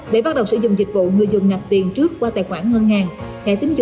để bắt đầu sử dụng dịch vụ người dùng ngặt tiền trước qua tài khoản ngân hàng